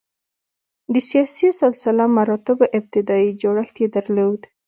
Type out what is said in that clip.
د سیاسي سلسله مراتبو ابتدايي جوړښت یې درلود.